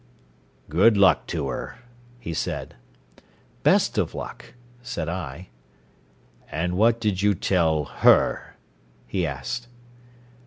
"Good luck to her," he said. "Best of luck," said I. "And what did you tell her?" he asked.